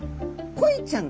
コイちゃん？